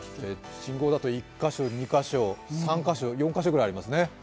信号だと１カ所、２カ所３カ所、４カ所ぐらいありますね。